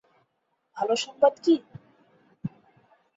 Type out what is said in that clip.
ভালো সংবাদ কি?